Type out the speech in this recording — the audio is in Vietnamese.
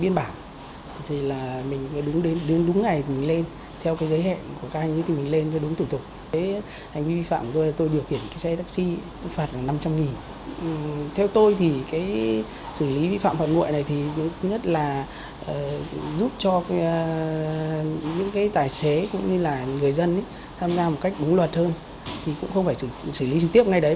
những cái tài xế cũng như là người dân tham gia một cách búng luật hơn thì cũng không phải xử lý trực tiếp ngay đấy